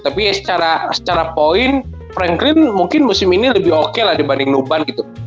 tapi ya secara point franklin mungkin musim ini lebih oke lah dibanding noban gitu